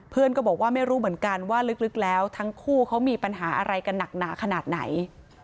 ก็บอกว่าไม่รู้เหมือนกันว่าลึกแล้วทั้งคู่เขามีปัญหาอะไรกันหนักหนาขนาดไหน